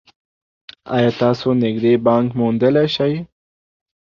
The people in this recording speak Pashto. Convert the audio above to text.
ایا تاسو نږدې بانک موندلی شئ؟